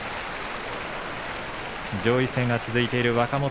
上位戦が続いている若元